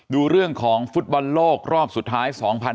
ดูเรื่องของฟุตบอลโลกรอบสุดท้าย๒๐๑๖